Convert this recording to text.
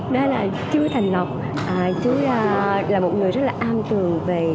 nó là chú thành lộc chú là một người rất là an tường về